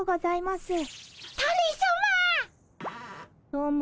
どうも。